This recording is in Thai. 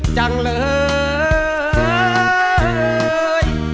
จังเลย